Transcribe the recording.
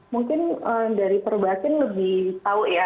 mungkin dari perbasin lebih tahu ya